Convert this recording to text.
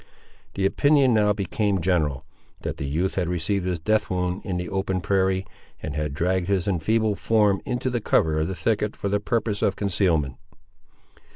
The opinion now became general, that the youth had received his death wound in the open prairie, and had dragged his enfeebled form into the cover of the thicket for the purpose of concealment.